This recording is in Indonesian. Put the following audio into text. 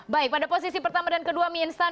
baik pada posisi pertama dan kedua mie instan